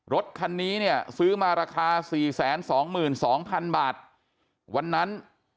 รถคันนี้เนี่ยซื้อมาราคา๔๒๒๐๐๐บาทวันนั้น